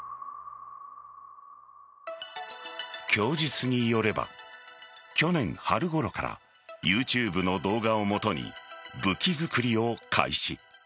供述によれば去年春ごろからＹｏｕＴｕｂｅの動画をもとに武器作りを開始。